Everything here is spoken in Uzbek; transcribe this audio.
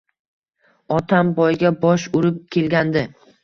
Otam boyga bosh urib kelgandi